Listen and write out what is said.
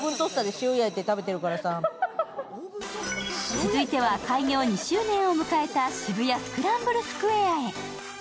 続いては開業２周年を迎えた渋谷スクランブルスクエアへ。